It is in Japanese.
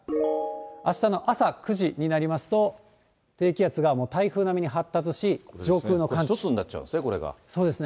あしたの朝９時になりますと、低気圧が台風並みに発達し、一つになっちゃうんですね、そうですね。